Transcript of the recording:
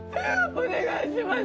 お願いします。